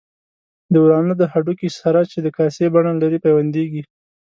د ورانه د هډوکي سره چې د کاسې بڼه لري پیوندېږي.